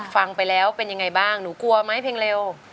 ฟังไปแล้วเป็นยังไงบ้างหนูกลัวไหมเพลงเร็ว